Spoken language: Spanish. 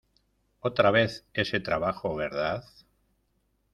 otra vez ese trabajo, ¿ verdad?